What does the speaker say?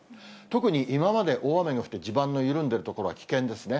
特に今まで大雨の降って地盤の緩んでいる所は危険ですね。